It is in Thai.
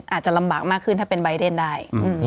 อาจจะลำบากมากขึ้นถ้าเป็นใบเดนได้